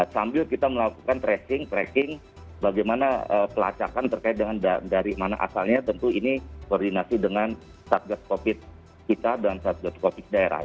sambil kita melakukan tracing tracking bagaimana pelacakan terkait dengan dari mana asalnya tentu ini koordinasi dengan satgas covid kita dan satgas covid daerah